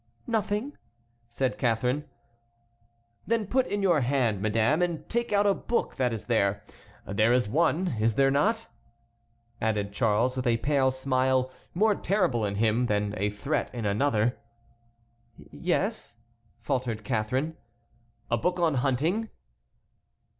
"Nothing," said Catharine. "Then put in your hand, madame, and take out a book that is there; there is one, is there not?" added Charles, with a pale smile, more terrible in him than a threat in another. "Yes," faltered Catharine. "A book on hunting?"